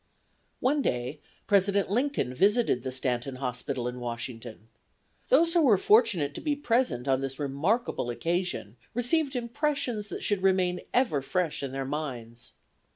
One day President Lincoln visited the Stanton Hospital in Washington. Those who were fortunate to be present on this remarkable occasion received impressions that should remain ever fresh in their minds.